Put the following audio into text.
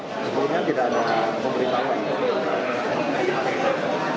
sebenarnya tidak ada yang memberitahu